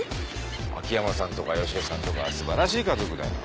秋山さんとか良恵さんとか素晴らしい家族だよ。